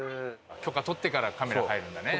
許可取ってからカメラ入るんだね。